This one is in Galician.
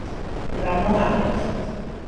Ramón Ares.